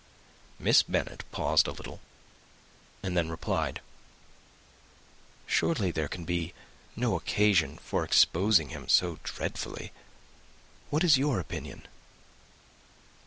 Miss Bennet paused a little, and then replied, "Surely there can be no occasion for exposing him so dreadfully. What is your own opinion?"